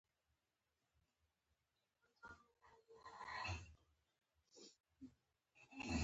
مستعصم خلیفه یو ځواکمن پوځ جوړ کړ.